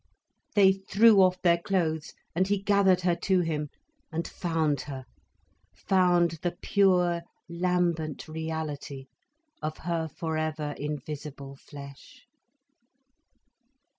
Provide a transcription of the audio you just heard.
They threw off their clothes, and he gathered her to him, and found her, found the pure lambent reality of her forever invisible flesh.